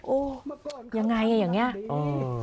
โอ๊ยยังไงอย่างนี้